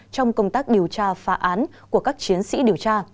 trong công tác điều tra phá án của các chiến sĩ điều tra